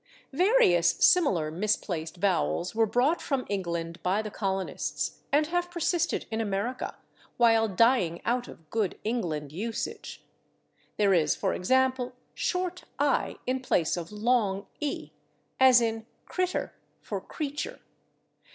Various similar misplaced vowels were brought from England by the colonists and have persisted in America, while dying out of good England usage. There is, for example, short /i/ in place of long /e/, as in /critter/ for /creature